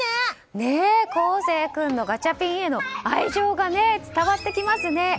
航成君のガチャピンへの愛情が伝わってきますね。